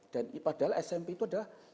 dan padahal smp itu adalah